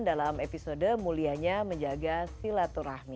dalam episode mulianya menjaga silaturahmi